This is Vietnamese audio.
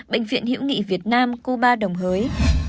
bệnh viện hiệu nghị việt nam cuba đồng hới